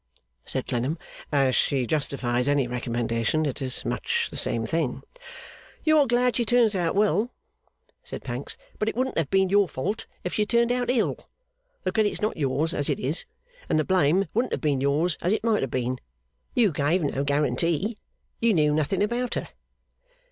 said Clennam. 'As she justifies any recommendation, it is much the same thing.' 'You are glad she turns out well,' said Pancks, 'but it wouldn't have been your fault if she had turned out ill. The credit's not yours as it is, and the blame wouldn't have been yours as it might have been. You gave no guarantee. You knew nothing about her.